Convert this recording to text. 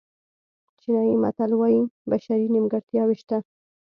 چینایي متل وایي بشري نیمګړتیاوې شته.